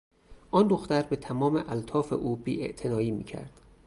آن دختر به تمام الطاف او بیاعتنایی میکرد.